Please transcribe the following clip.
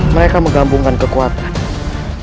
mereka menggambungkan kekuatan